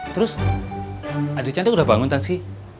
terus ade cantik udah bangun tansky